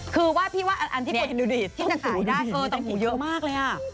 คือว่าพี่ว่าอันที่ปุ่นต้มหูเยอะมากเลย